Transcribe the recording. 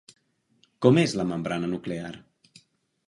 Com és la membrana nuclear?